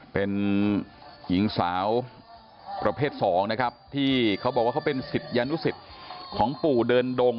เป็นหญิงสาวประเภทสองนะครับที่เขาบอกว่าเขาเป็นศิษยานุสิตของปู่เดินดง